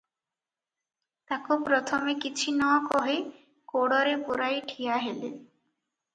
ତାକୁ ପ୍ରଥମେ କିଛି ନକହି କୋଡ଼ରେ ପୂରାଇ ଠିଆ ହେଲେ ।